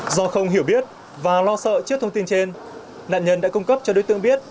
do không hiểu biết và lo sợ trước thông tin trên nạn nhân đã cung cấp cho đối tượng biết